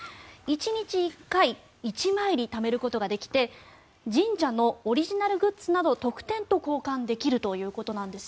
１日１回１参詣ためることができて神社のオリジナルグッズなど特典と交換できるということです。